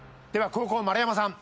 後攻丸山さん